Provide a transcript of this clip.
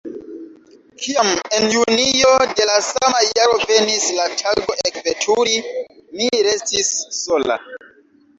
Kiam en junio de la sama jaro venis la tago ekveturi, mi restis sola.